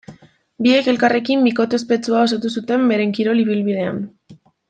Biek elkarrekin bikote ospetsua osatu zuten beren kirol ibilbidean.